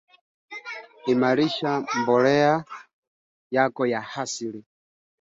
Takribani watu themanini na saba wameuawa na mamia kujeruhiwa